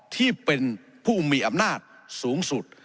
ที่เป็นผู้มีอำนาจสูงสุด